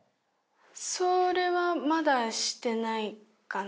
それはまだしてないかな。